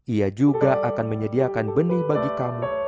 ia juga akan menyediakan benih bagi kamu